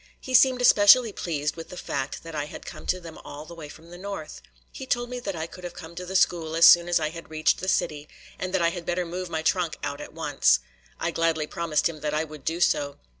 He seemed especially pleased with the fact that I had come to them all the way from the North. He told me that I could have come to the school as soon as I had reached the city and that I had better move my trunk out at once. I gladly promised him that I would do so.